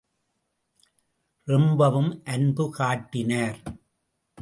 ரொம்பவும் அன்பு காட்டினார்.